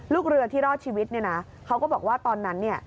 ลูกเรือที่รอดชีวิตเนี่ยนะเขาก็บอกว่าตอนนั้นเนี่ย